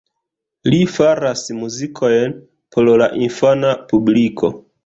Li faras muzikojn por la infana publiko.